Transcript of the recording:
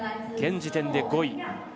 現時点で５位。